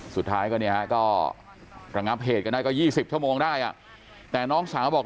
สุดท้ายก็กระงับเหตุก็ได้๒๐ชั่วโมงแต่น้องสาวบอก